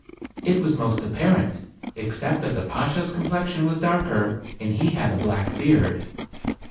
It was most apparent, except that the Bashaw's complexion was darker, and he had a black beard.